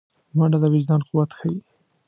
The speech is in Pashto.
منډه د وجدان قوت ښيي